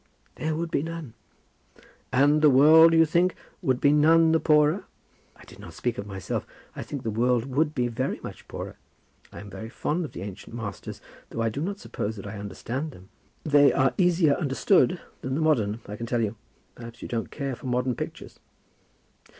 "There would be none." "And the world, you think, would be none the poorer?" "I did not speak of myself. I think the world would be very much the poorer. I am very fond of the ancient masters, though I do not suppose that I understand them." "They are easier understood than the modern, I can tell you. Perhaps you don't care for modern pictures?"